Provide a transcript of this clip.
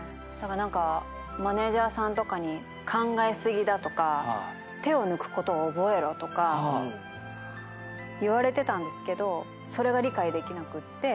何かマネジャーさんとかに「考え過ぎだ」とか「手を抜くことを覚えろ」とか言われてたんですけどそれが理解できなくって。